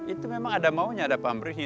itu memang ada maunya ada pamrihi